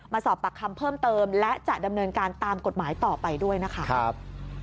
สอบปากคำเพิ่มเติมและจะดำเนินการตามกฎหมายต่อไปด้วยนะคะ